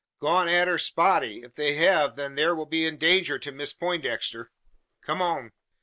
"Gone arter Spotty. If they hev, then thur will be danger to Miss Peintdexter. Come on!"